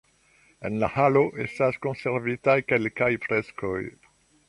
En la halo estas konservitaj kelkaj freskoj.